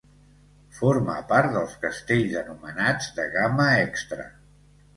Forma part dels castells anomenats de gamma extra.